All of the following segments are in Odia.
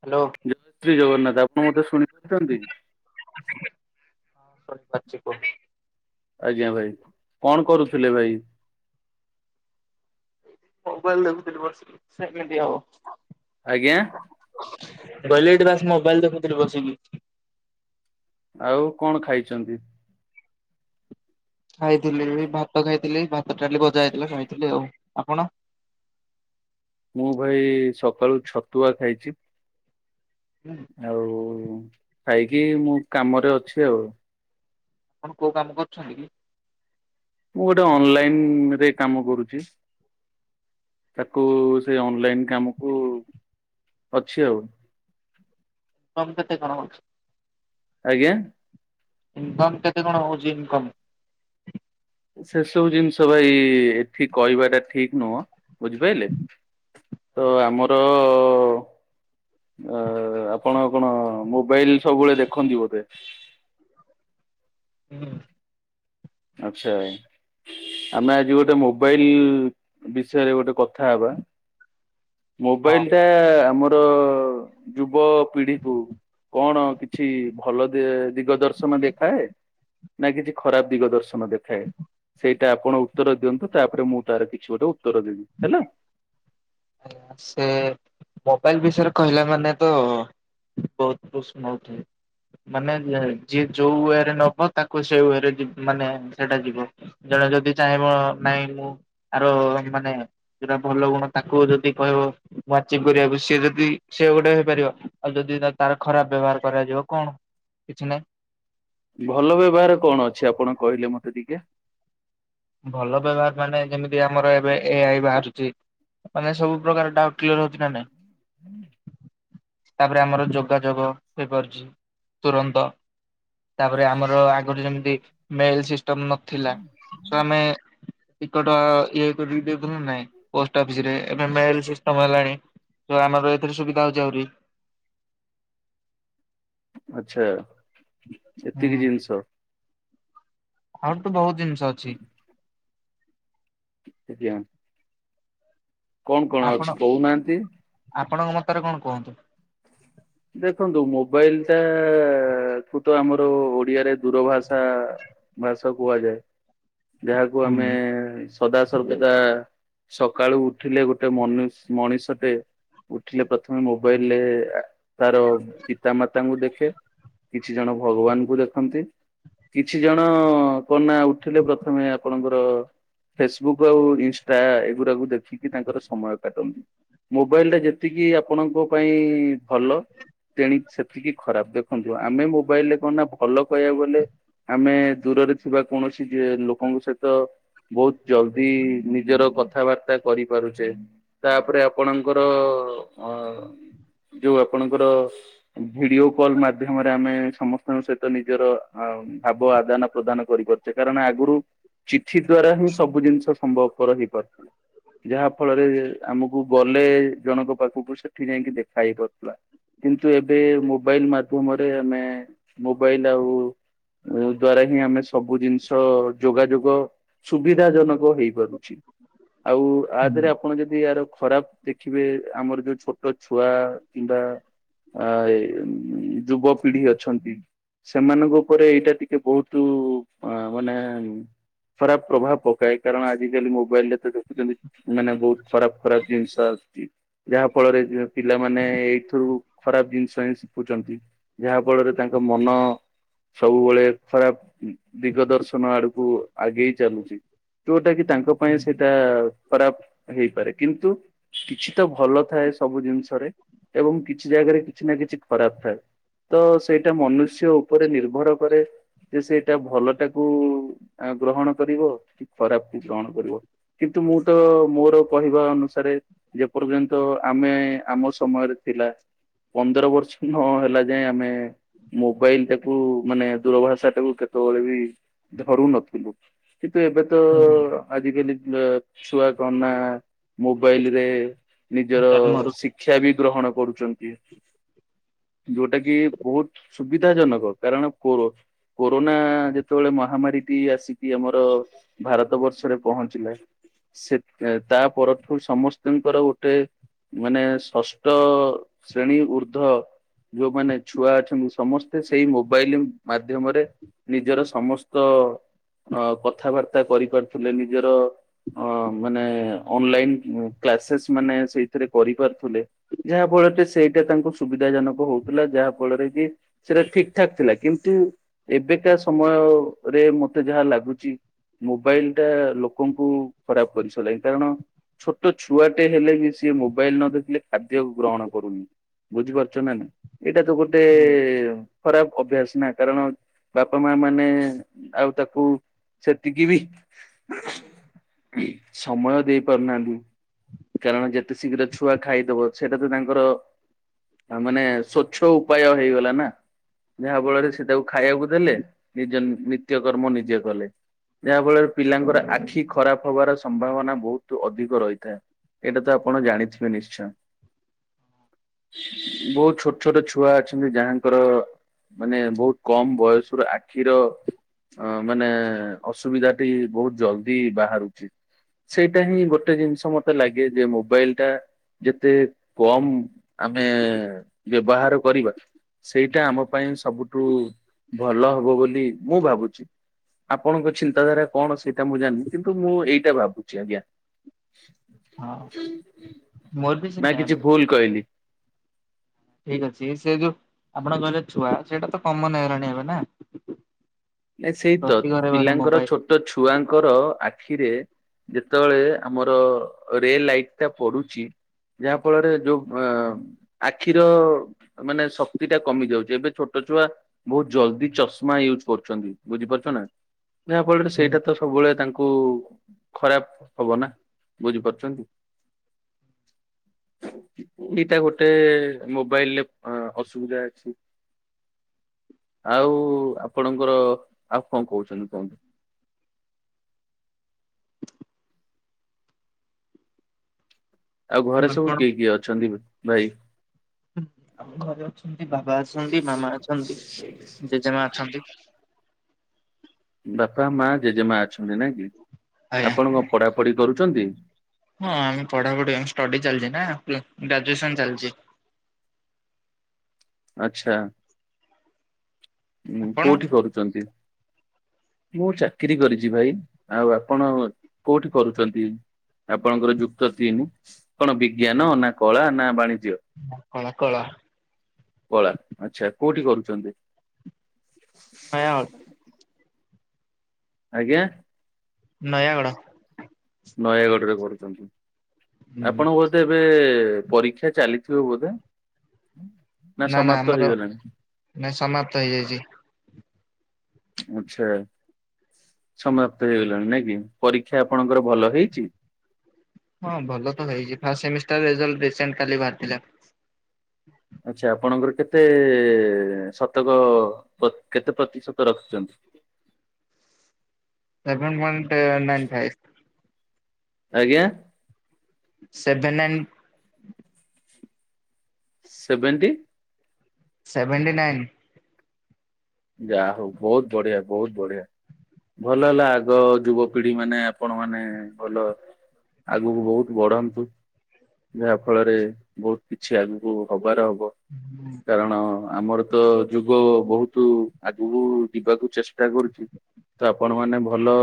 ହ୍ୟାଲୋ ଜୟ ଶ୍ରୀ ଜଗନ୍ନାଥ ଆପଣ ମତେ ଶୁଣିପାରୁଛନ୍ତି? ହଁ ଶୁଣି ପାରୁଛି କୁହ। ଆଜ୍ଞା ଭାଇ କଣ କରୁଥିଲେ ଭାଇ? ମୋବାଇଲ ଦେଖୁଥିଲି ବସିକି ସେଭେନ୍ ଟି ହବ। ଆଜ୍ଞା। ମୁଁ କହିଲି ଏଠି ବାସ୍ ମୋବାଇଲ ଦେଖୁଥିଲି ବସିକି। ଆଉ କଣ ଖାଇଛନ୍ତି? ଖାଇଥିଲି ଭାତ ଖାଇଥିଲି, ଭାତ, ଡାଲି, ଭଜା ହେଇଥିଲା ଖାଇଥିଲି ଆଉ ଆପଣ? ମୁଁ ଭାଇ ସକାଳୁ ଛତୁଆ ଖାଇଛି। ହୁଁ। ଆଉ ଖାଇକି ମୁଁ କାମରେ ଅଛି ଆଉ। ଆପଣ କୋଉ କାମ କରୁଛନ୍ତି କି? ମୁଁ ଗୋଟେ ଅନଲାଇନ ରେ କାମ କରୁଛି। ତାକୁ ସେଇ ଅନଲାଇନ କାମକୁ ଅଛି ଆଉ। କମ କେତେ କଣ ଅଛି? ଆଜ୍ଞା। ଇନକମ କେତେ କଣ ହଉଚି ଇନକମ? ସେସବୁ ଜିନିଷ ଭାଇ ଏଠି କହିବାଟା ଠିକ ନୁହଁ। ବୁଝିପାଇଲେ ତ ଆମର [inaudible] ଅ ଆପଣ କଣ ମୋବାଇଲ ସବୁବେଳେ ଦେଖନ୍ତି ବୋଧେ। ହୁଁ। ଆଛା। ଆମେ ଆଜି ଗୋଟେ ମୋବାଇଲ ବିଷୟରେ ଗୋଟେ କଥା ହବା। ମୋବାଇଲ ଟା ଆମର ଯୁବ ପିଢିକୁ କଣ କିଛି ଭଲ ଦିଗ ଦର୍ଶନ ଦେଖାଏ ନା କିଛି ଖରାପ ଦିଗ ଦର୍ଶନ ଦେଖାଏ, ସେଇ ଟା ଆପଣ ଉତ୍ତର ଦିଅନ୍ତୁ ତାପରେ ମୁଁ ତାର କିଛି ଗୋଟେ ଉତ୍ତର ଦେବି ହେଲା। ସେ ମୋବାଇଲ ବିଷୟରେ କହିଲା ମାନେ ତ ବହୁତ ପ୍ରଶ୍ନ ଉଠେ। ମାନେ ଯିଏ ଯୋଉ ୱରେ ନବ ତାକୁ ସେ ୱେରେ ମାନେ ସେଟା ଯିବ। ଜଣେ ଯଦି ଚାହିଁବ ନାଇଁ ମୁଁ ଆର ମାନେ ଯଉଟା ଭଲ ଗୁଣ ତାକୁ ଯଦି କହିବ ୱାଚିଂ କରିବାକୁ ସିଏ ଯଦି ସେ ଗୋଟେ ହେଇପାରିବ ଆଉ ଯଦି ତାର ଖରାପ ବ୍ୟବହାର କରାଯିବ କଣ କିଛି ନାହିଁ। ଭଲ ବ୍ୟବହାର କଣ ଅଛି ଆପଣ କହିଲେ ମତେ ଟିକେ? ଭଲ ବ୍ୟବହାର ମାନେ ଯେମିତି ଆମର ଏବେ ଏ ଆଇ ବାହାରୁଛି ମାନେ ସବୁ ପ୍ରକାର ଡାଉଟ କିଲିୟର ହଉଛି ନା ନାଇଁ। [inaudible] ତାପରେ ଆମର ଯୋଗାଯୋଗ ହେଇପାରୁଛି ତୁରନ୍ତ। ତାପରେ ଆମର ଆଗରୁ ଯେମିତି ମେଲ ସିଷ୍ଟମ ନଥିଲା ସ ଆମେ ଟିକଟ ଇଏ କରିକି ଦେଉଥିଲେ ନାଇଁ ପୋଷ୍ଟ ଅଫିସ ରେ। ଏବେ ମେଲ ସିଷ୍ଟମ ହେଲାଣି ତ ଆମର ଏଥିରେ ସୁବିଧା ହଉଛି ଆହୁରି। ଆଚ୍ଛା ହୁଁ ଏତିକି ଜିନିଷ। ଆହୁରି ତ ବହୁତ ଜିନିଷ ଅଛି। ଆଜ୍ଞା। କଣ କଣ ଆପଣ ଅଛି କହୁନାହାନ୍ତି। ଆପଣଙ୍କ ମତରେ କଣ କୁହନ୍ତୁ। ଦେଖନ୍ତୁ ମୋବାଇଲ ଟା କୁ ତ ଆମର ଓଡିଆରେ ଦୂର ଭାଷା ଭାଷା କୁହାଯାଏ ଯାହାକୁ ହୁଁ ଆମେ ସଦା ସର୍ବଦା ସକାଳୁ ଉଠିଲେ ଗୋଟେ ମନସ ମଣିଷଟେ ଉଠିଲେ ପ୍ରଥମେ ମୋବାଇଲରେ ତାର ପିତା ମାତାଙ୍କୁ ଦେଖେ। କିଛି ଜଣ ଭଗବାନଙ୍କୁ ଦେଖନ୍ତି। କିଛି ଜଣ କନା ଉଠିଲେ ପ୍ରଥମେ ଆପଣଙ୍କର ଫେସବୁକ୍ ଆଉ ଇନଷ୍ଟା ଏଗୁରାକୁ ଦେଖିକି ତାଙ୍କର ସମୟ କାଟନ୍ତି। ମୋବାଇଲ ଟା ଯେତିକି ଆପଣଙ୍କ ପାଇଁ ଭଲ। ତେଣ ସେତିକି ଖରାପ ଦେଖନ୍ତୁ ଆମେ ମୋବାଇଲ ରେ କଣ ନା ଭଲ କହିବାକୁ ଗଲେ ଆମେ ଦୂରରେ ଥିବା କୌଣସି ଲୋକଙ୍କ ସହିତ ବହୁତ ଜଲଦି ନିଜର କଥାବାର୍ତ୍ତା କରିପାରୁଛେ। ତାପରେ ଆପଣଙ୍କର ଅ ଯୋଉ ଆପଣଙ୍କର ଭିଡିଓ କଲ ମାଧ୍ୟମରେ ଆମେ ସମସ୍ତଙ୍କ ସହିତ ନିଜର ଆ ଭାବ ଆଦାନ ପ୍ରଦାନ କରିପାରୁଛେ କାରଣ ଆଗରୁ ଚିଠି ଦ୍ଵାରା ହିଁ ସବୁ ଜିନିଷ ସମ୍ଭବପର ହେଇ ଯାହା ଫଳରେ ଆମକୁ ଗଲେ ଜଣଙ୍କ ପାଖକୁ ସେଠି ଯାଇକି ଦେଖା ହେଇ ପା କିନ୍ତୁ ଏବେ ମୋବାଇଲ ମାଧ୍ୟମରେ ଆମେ ମୋବାଇଲ ଆଉ ଯଉ ଦ୍ୱାରା ହିଁ ଆମେ ସ ସବୁ ଜିନିଷ ଯୋଗାଯୋଗ ସୁବିଧା ଜନକ ହେଇପାରୁଛି ଆଉ ତା ଦେହରେ ଆପଣ ଯଦି ଏହାର ଖରାପ ଦେଖିବେ ଆମର ଯୋଉ ଛୋଟ ଛୁଆ କିମ୍ବା ଆ ଯୁବ ପିଢି ଅଛନ୍ତି। ସେମାନଙ୍କ ଉପରେ ଏଇଟା ଟିକେ ବହୁତ ଅ ମାନେ ଖରାପ ପ୍ରଭାବ ପକାଏ କାରଣ ଆଜିକାଲି ମୋବାଇଲ ରେ ତ ଦେଖୁଛନ୍ତି। ମାନେ ବହୁତ ଖରାପ ଖରାପ ଜିନିଷ ଆସୁଛି ଯାହା ଫଳରେ ପିଲାମାନେ ଏଇଥିରୁ ଖରାପ ଜିନିଷ ହିଁ ଶିଖୁଛନ୍ତି ଯାହା ଫଳରେ ତାଙ୍କ ମନ ସବୁବେଳେ ଖରାପ ଦିଗ ଦର୍ଶନ ଆଡକୁ ଆଗେଇ ଚାଲୁଛି। ଯୋଉଟା କିି ତାଙ୍କ ପାଇଁ ସେଇଟା ଖରାପ ହେଇପାରେ କିନ୍ତୁ କିଛି ତ ଭଲ ଥାଏ ସବୁ ଜିନିଷରେ। ଏବଂ କିଛି ଜାଗାରେ କିଛି ନା କିଛି ଖରାପ ଥାଏ। ତ ସେଇଟା ମନୁଷ୍ୟ ଉପରେ ନିର୍ଭର କରେ। ଯେ ସେଇଟା ଭଲ ଟାକୁ ଗ୍ରହଣ କରିବ କି ଖରାପକୁୁ ଗ୍ରହଣ କରିବ। କିନ୍ତୁ ମୁଁ ତ ମୋର କହିବା ଅନୁସାରେ ଯେ ପର୍ଯ୍ୟନ୍ତ ଆମେ ଆମ ସମୟରେ ଥିଲା ପନ୍ଦର ବର୍ଷ ନ ହେଲା ଯାଏ ଆମେ ମୋବାଇଲ ଟାକୁ ମାନେ ଦୂରଭାଷା ଟାକୁ କେତେବେଳେ ବି ଧରୁନଥିଲୁ। କିନ୍ତୁ ଏବେ ତ ଆଜିକାଲି ର ଛୁଆ କଣ ନା ମୋବାଇଲରେ ନିଜର ଜନ୍ମରୁ ଶିକ୍ଷା ବି ଗ୍ରହଣ କରୁଛନ୍ତି। ଯୋଉଟା କି ବହୁତ ସୁବିଧା ଜନକ କାରଣ କୋର କୋରୋନା ଯେତେବେଳେ ମହାମାରୀଟି ଆସିକି ଆମର ଭାରତ ବର୍ଷରେ ପହଞ୍ଚିଲା। ସେ ତା ପରଠୁ ସମସ୍ତଙ୍କର ଗୋଟେ ମାନେ ଷଷ୍ଠ ଶ୍ରେଣୀ ଉର୍ଦ୍ଧ ଯୋଉମାନେ ଛୁଆ ଅଛନ୍ତି ସମସ୍ତେ ସେଇ ମୋବାଇଲି ମାଧ୍ୟମରେ ନିଜର ସମସ୍ତ ଅ କଥାବାର୍ତ୍ତା କରିପାରୁଥିଲେ ନିଜର ଅ ମାନେ ଅନଲାଇନ ଉଁ କ୍ଲାସେସ୍ ମାନେ ସେଇଥିରେ କରିପାରୁଥିଲେ ଯାହା ଫଳରେ ଟିକେ ସେଇଟା ତାଙ୍କୁ ସୁବିଧା ଜନକ ହୋଉଥିଲା ଯାହା ଫଳରେ କି ସେଟା ଠିକ ଠାକ୍ ଥିଲା କିନ୍ତୁ ଏବେକା ସମୟରେ ମତେ ଯାହା ଲାଗୁଚି ମୋବାଇଲଟା ଲୋକଙ୍କୁ ଖରାପ କରି ସଇଲାଣି କାରଣ ଛୋଟ ଛୁଆଟେ ହେଲେ ବି ସିଏ ମୋବାଇଲ ନ ଦେଖିଲେ ଖାଦ୍ୟ ଗ୍ରହଣ କରୁନି। ବୁଝିପାରୁଚ ନା ନାଇଁ ଏଇଟା ତ ଗୋଟେ ଖରାପ ଅଭ୍ୟାସ ନା କାରଣ ବାପା ମାଆ ମାନେ ଆଉ ତାକୁ ସେତିକି ବି ସମୟ ଦେଇ ପାରୁନାହାନ୍ତି କାରଣ ଯେତେ ଶୀଘ୍ର ଛୁଆ ଖାଇଦବ ସେଇଟା ତ ତାଙ୍କର ମାନେ ସ୍ଵଚ୍ଛ ଉପାୟ ହେଇଗଲା ନା। ଯାହା ଫଳରେ ସେ ତାକୁ ଖାଇବାକୁ ଦେଲେ ନିଜ ନିତ୍ୟକର୍ମ ନିଜେ କଲେ। ଯାହା ଫଳରେ ପିଲାଙ୍କର ଆଖି ଖରାପ ହବାର ସମ୍ଭାବନା ବୋହୁତୁ ଅଧିକ ରହିଥାଏ। ଏଇଟା ତ ଆପଣ ଜାଣିଥିବେ ନିଶ୍ଚୟ। ବୋହୁତ ଛୋଟ ଛୋଟ ଛୁଆ ଅଛନ୍ତି ଯାହାଙ୍କର ମାନେ ବୋହୁତ କମ ବୟସରୁ ଆଖିର ଅ ମାନେ ଅସୁବିଧାଟି ବୋହୁତ ଜଲଦି ବାହାରୁଚି। ସେଇଟା ହିଁ ଗୋଟେ ଜିନିଷ ମତେ ଲାଗେ ଯେ ମୋବାଇଲଟା ଯେତେ କମ ଆମେ ବ୍ୟବହାର କରିବା ସେଇଟା ଆମ ପାଇଁ ସବୁଠୁ ଭଲ ହବ ବୋଲି ମୁଁ ଭାବୁଚି। ଆପଣଙ୍କ ଚିନ୍ତାଧାରା କଣ ସେଇଟା ମୁଁ ଜାଣିନି କିନ୍ତୁ ମୁଁ ଏଇଟା ଭାବୁଚି ଆଜ୍ଞା। ହଁ ମୋର ବି ନା ସେଇ ସେମ୍। କିଛି ଭୁଲ କହିଲି ଠିକ ଅଛି ଏଇ ସେ ଯୋଉ ଆପଣ କହିଲେ ଛୁଆ ସେଇଟା ତ କମନ୍ ହେଇଗଲାଣି ଏବେନା। ନାଇ ସେଇ ତ ପିଲାଙ୍କର ମୋବାଇଲ ଛୋଟ ଛୁଆଙ୍କର ଆଖିରେ ଯେତବେଳେ ଆମର ରେ ଲାଇଟଟା ପଡୁଚି ଯାହା ଫଳରେ ଯୋଉ ମ ଆଖିର ମାନେ ଶକ୍ତିଟା କମି ଯାଉଚି ଏବେ ଛୋଟ ଛୁଆ ବୋହୁତ ଜଲଦି ଚଷମା ୟୁଜ କରୁ ଛନ୍ତି ବୁଝିପାରୁଛ ନା ଯାହା ଫଳରେ ସେଇଟା ଆଉ ତ ସବୁବେଳେ ତାଙ୍କୁ ଖରାପ ହବ ନା ବୁଝି ପାରୁଚନ୍ତି। ହ ଏଇଟା ଗୋଟେ ମୋବାଇଲରେ ଅ ଅସୁବିଧା ଅଛି। ଆଉ ଆପଣଙ୍କର ଆଉ କଣ କୋହୁଚନ୍ତି କୁହନ୍ତୁ। ଆଉ ଘରେ ସବୁ ଆପଣ କିଏ କିଏ ଅଛନ୍ତି ଏବେ ଭାଇ? ହୁଁ ଆମ ଘରେ ଅଛନ୍ତି ବାବା ଅଛନ୍ତି, ମାମା ଅଛନ୍ତି, ଜେଜେମା ଅଛନ୍ତି। ବାପା, ମାଆ, ଜେଜେମାଆ ଅଛନ୍ତି ନାଇ କି ଆଜ୍ଞା ଆପଣ କଣ ପଢାପଢି କରୁଚନ୍ତି? ହଁ ଆମ ପଢାପଢି ଅମ ଷ୍ଟଡି ଚାଲିଚି ନା [unintelligible] ଗ୍ରାଜୁଏସନ ଚାଲଚି। ଆଛା ଉମୁ ଆପଣ କୋଉଠି କରୁଚନ୍ତି? ମୁଁ ଚାକିରୀ କରିଚି ଭାଇ ଆଉ ଆପଣ କୋଉଠି କରୁଚନ୍ତି? ଆପଣଙ୍କର ଯୁକ୍ତ ତିନି କଣ ବିଜ୍ଞାନ ନା କଳା ନା ବାଣିଜ୍ୟ? ମୋ କଳା କଳା। କଳା ଆଚ୍ଛା କୋଉଠି କରୁଚନ୍ତି? ନୟାଗଡ। ଆଗିଆଁ? ନୟାଗଡ଼। ନୟାଗଡରେ କରୁଚନ୍ତି ହୁଁ। ଆପଣଙ୍କୁ ବୋଧେ ଏବେ ପରୀକ୍ଷା ଚାଲିଥିବ ବୋଧେ ନା ସମାପ୍ତ ହେଇଗଲାଣି? ନାଇଁ ସମାପ୍ତ ହେଇଯାଇଚି। ଆଚ୍ଛା ସମାପ୍ତ ହେଇଗଲାଣି ନାଇଁ କି ପରୀକ୍ଷା ଆପଣଙ୍କର ଭଲ ହେଇଚି? ହଁ ଭଲ ତ ହେଇଚି ଫାଷ୍ଟ ସେମିଷ୍ଟାର ରେଜଲ୍ଟ କାଲି ରିସେଣ୍ଟ ବାହାରିଥିଲା। ଆଛା ଆପଣଙ୍କର କେତେ ଶତକ ପ କେତେ ପ୍ରତିଶତ ରଖିଚନ୍ତି? Seven point nine five. ଆଜ୍ଞା। Seven nine seventy seventy nine. ଯା ହଉ ବହୁତ ବଢିଆ ବହୁତ ବଢ଼ିଆ। ଭଲ ହେଲା ଆଗ ଯୁବପିଢି ମାନେ ଆପଣ ମାନେ ଭଲ ଆଗକୁ ବହୁତ ବଢନ୍ତୁ। ଯାହା ଫଳରେ ବହୁତ କିଛି ଆଗକୁ ହବାର ହବ। ହୁଁ। କାରଣ ଆମର ତ ଯୁଗ ବହୁତ ତୁ ଆଗକୁ ଯିବାକୁ ଚେଷ୍ଟା କରୁଚୁ ତ ଆପଣ ମାନେ ଭଲ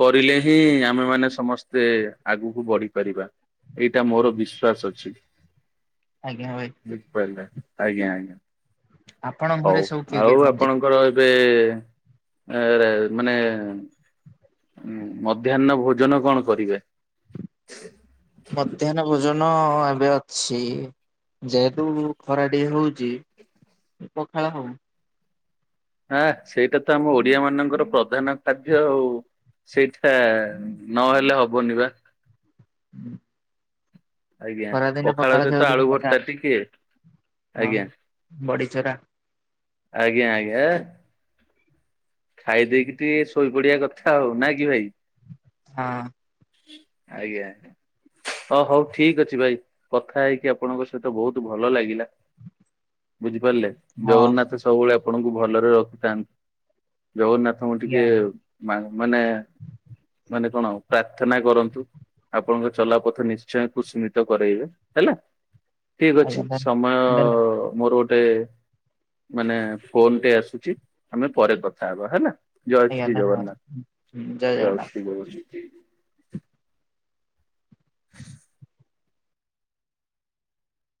କରିଲେ ହିଁ ଆମେ ମାନେ ସମସ୍ତେ ଆଗକୁ ବଢିପାରିବା। ଏଇଟା ମୋର ବିଶ୍ଵାସ ଅଛି। ଆଜ୍ଞା ଭାଇ। ବୁଝି ପାରିଲେ ଆଜ୍ଞା ଆଜ୍ଞା। ଆପଣ ହଉ ଘରେ ସବୁ କିଏ କିଏ ଆଉ ରୁହନ୍ତି? ଆପଣଙ୍କର ଏବେ ଏ ରେ ମାନେ ହଁ ମଧ୍ୟାହ୍ନ ଭୋଜନ କଣ କରିବେ? ମଧ୍ୟାହ୍ନ ଭୋଜନ ଏବେ ଅଛି। ଯେହେତୁ ଖରା ଟିଏ ହଉଚି ପଖାଳ ହଉ। ଆହା ସେଇଟା ତ ଆମ ଓଡିଆ ମାନଙ୍କର ପ୍ରଧାନ କାର୍ଯ୍ୟ ଆଉ। ସେଇଟା ନହେଲେ ହବନି ବା। ହୁଁ। ଆଜ୍ଞା। ଖରାଦିନେ ସହିତ ପଖାଳ ଆଳୁ ମଜା ଭର୍ତ୍ତା ଟିକେ ହଁ ଆଜ୍ଞା ବଡି ଚୁରା ଆଜ୍ଞା ଆଜ୍ଞା ଏହେ। ଖାଇ ଦେଇକି ଟିକେ ଶୋଇପଡିବା କଥା ଆଉ ନା କି ଭାଇ? ହଁ। ଆଜ୍ଞାା ହ ହଉ ଠିକ୍ ଅଛି ଭାଇ। କଥା ହେଇକି ଆପଣଙ୍କ ସହିତ ବହୁତ୍ ଭଲ ଲାଗିଲା ବୁଝିପାରିଲେ ହଁ ଜଗନ୍ନାଥ ସବୁ ସବୁବେଳେ ଆପଣଙ୍କୁ ଭଲରେ ରଖିଥାନ୍ତୁ। ଜଗନ୍ନାଥଙ୍କୁ ଟିକେ ଆଜ୍ଞା ମା ମାନେ ମାନେ କଣ ପ୍ରାର୍ଥନା କରନ୍ତୁ। ଆପଣଙ୍କ ଚଲାପଥ ନିଶ୍ଚୟ କୁସିମିତ କରେଇବେ ହେଲା। ଠିକ୍ ଅଛି ଆଜ୍ଞା ଧନ୍ୟ ସମୟ ଧନ୍ୟ ମୋର ଗୋ ଟେ ମାନେ ଫୋନ୍ ଟେ ଆସୁଚି। ପରେ କଥା ହବା ହେବା ହେଲା ଜୟ ଆଜ୍ଞା ଶ୍ରୀ ଧନ୍ୟବାଦ। ଜଗନ୍ନାଥ ଜୟ ଶ୍ରୀ ଜୟ ଶ୍ରୀ।